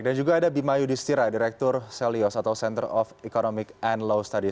dan juga ada bimayu distira direktur selios atau center of economic and law studies